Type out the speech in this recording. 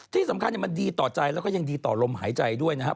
ที่สำคัญมันดีต่อใจแล้วก็ยังดีต่อลมหายใจด้วยนะครับ